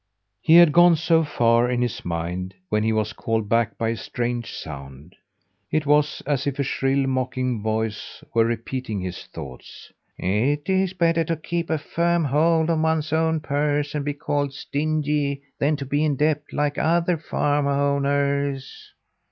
He had gone so far in his mind when he was called back by a strange sound. It was as if a shrill, mocking voice were repeating his thoughts: "It's better to keep a firm hold on one's purse and be called stingy, than to be in debt, like other farm owners."